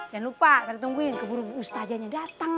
jangan lupa tadi tungguin keburu ustazahnya datang